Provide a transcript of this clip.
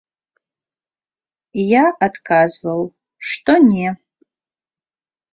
Я адказваў, што не.